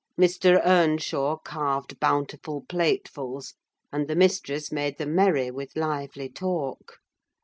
Mr. Earnshaw carved bountiful platefuls, and the mistress made them merry with lively talk.